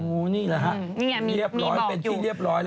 โอ้นี่ล่ะครับมีบอกอยู่